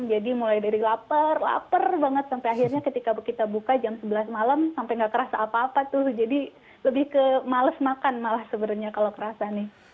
jadi mulai dari lapar lapar banget sampai akhirnya ketika kita buka jam sebelas malam sampai nggak kerasa apa apa tuh jadi lebih ke males makan malah sebenarnya kalau kerasa nih